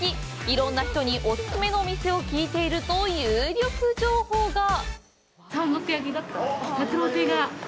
いろんな人にお勧めのお店を聞いていると、有力情報が。